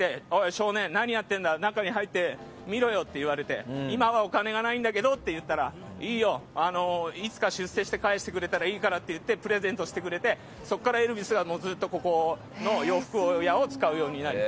少年、何やってるんだ中に入ってみろよって言われて今はお金がないんだけどと言ったらいいよ、いつか出世して返してくれたらいいからと言ってプレゼントしてくれてそこからエルヴィスがここの洋服屋を使うようになる。